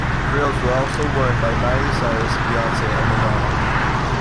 Grills were also worn by Miley Cyrus, Beyonce, and Madonna.